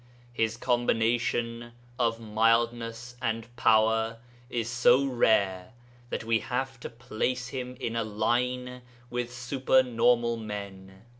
His combination of mildness and power is so rare that we have to place him in a line with super normal men.